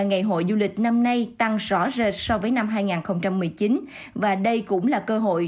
ngày hội du lịch năm nay tăng rõ rệt so với năm hai nghìn một mươi chín và đây cũng là cơ hội